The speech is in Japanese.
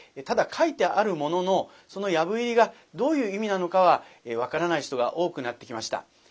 ただ書いてあるもののその藪入りがどういう意味なのかは分からない人が多くなってきました。